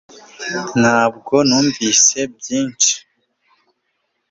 ntabwo numvise byinshi